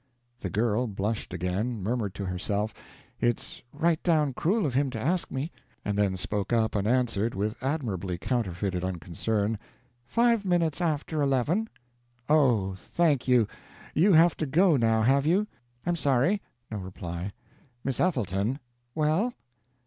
The girl blushed again, murmured to herself, "It's right down cruel of him to ask me!" and then spoke up and answered with admirably counterfeited unconcern, "Five minutes after eleven." "Oh, thank you! You have to go, now, have you?" "I'm sorry." No reply. "Miss Ethelton!" "Well?"